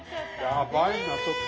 やばいなちょっと。